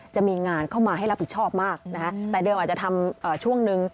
จะมีงานเข้ามาให้รับผิดชอบมากนะคะแต่เดิมอาจจะทำช่วงนึง